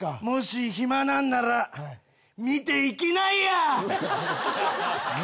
もし暇なんなら見ていきなんや！